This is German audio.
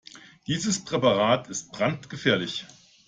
Dieses Präparat ist brandgefährlich.